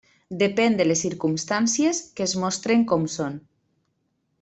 Depèn de les circumstàncies que es mostren com són.